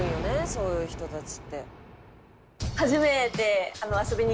そういう人たちって」